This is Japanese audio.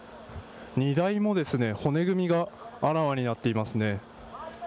荷台も骨組みがあらわになっていますね。